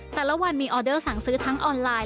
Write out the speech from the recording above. แต่ละวันมีออเดอร์สั่งซื้อทั้งออนไลน์